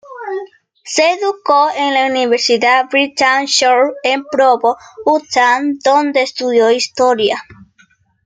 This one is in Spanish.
Se educó en la Universidad Brigham Young en Provo, Utah, donde estudió historia.